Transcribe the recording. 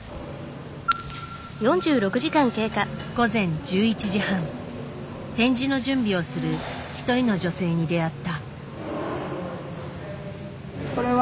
午前１１時半展示の準備をする一人の女性に出会った。